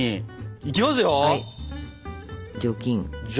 いきますよ。